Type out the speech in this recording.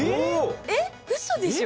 えっウソでしょ？